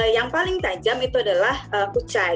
yang paling tajam itu adalah ucai